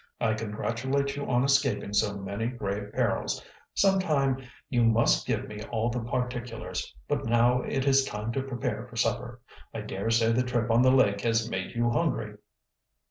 "I congratulate you on escaping so many grave perils. Sometime you must give me all the particulars. But now it is time to prepare for supper. I dare say the trip on the lake has made you hungry."